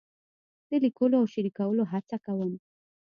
د لیکلو او شریکولو هڅه کوم.